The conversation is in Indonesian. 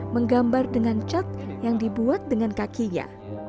menggambar dengan cat yang dibuat dengan kakinya